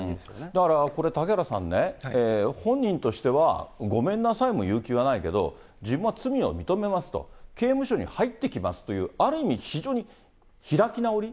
だから、これ嵩原さんね、本人としては、ごめんなさいも言う気はないけど、自分は罪を認めますと、刑務所に入ってきますという、ある意味非常に開き直り。